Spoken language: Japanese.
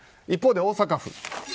一方で大阪府。